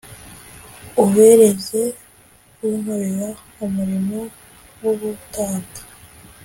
ubereze kunkorera umurimo w ubutambyi